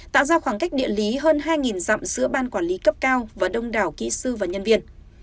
tạo ra khoảng cách địa lý hơn hai dặm giữa ban quản lý cấp cao và đông đảo kỹ sư và nhân viên